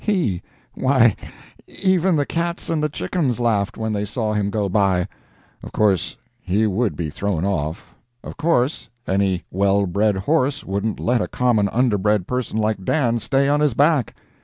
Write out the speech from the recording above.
He! why, even the cats and the chickens laughed when they saw him go by. Of course, he would be thrown off. Of course, any well bred horse wouldn't let a common, underbred person like Dan stay on his back!